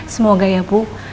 semoga ya bu